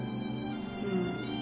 うん。